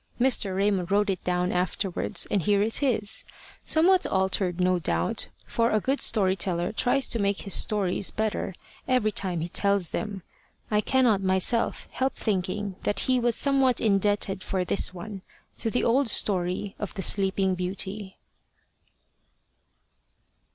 Mr. Raymond wrote it down afterwards, and here it is somewhat altered no doubt, for a good story teller tries to make his stories better every time he tells them. I cannot myself help thinking that he was somewhat indebted for this one to the old story of The Sleeping Beauty.